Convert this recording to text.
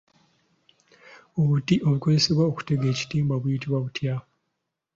Obuti obukozesebwa okutega ekitimba buyitibwa butya?